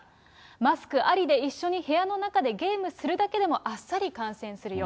マスクありで一緒に部屋の中でゲームするだけでも、あっさり感染するよ。